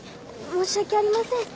申し訳ありません。